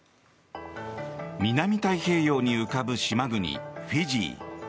南太平洋に浮かぶ島国フィジー。